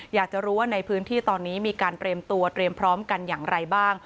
อยากจะรู้ว่าในพื้นที่ตอนนี้มีการเตรียมตัวเตรียมพร้อมกันอย่างไรบ้าง